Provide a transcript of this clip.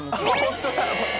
本当だ！